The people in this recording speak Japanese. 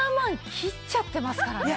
切っちゃってますからね。